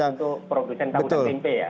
ya itu untuk produsen tahunan mp ya